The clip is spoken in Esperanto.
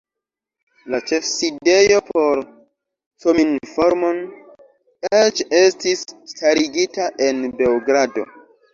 La ĉefsidejo por Cominform eĉ estis starigita en Beogrado.